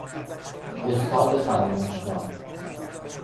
استاد فراموشکار